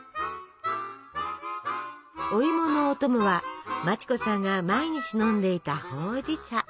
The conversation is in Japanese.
おいものお供は町子さんが毎日飲んでいたほうじ茶。